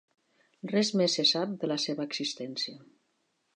Res més se sap de la seva existència.